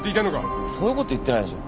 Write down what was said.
別にそういうこと言ってないでしょ。